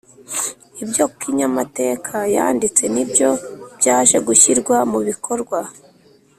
ibyo kinyamateka yanditse nibyo byaje gushyirwa mu bikorwa